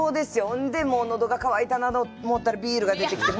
ほんで、のどが渇いたなと思ったら、ビールが出てきて。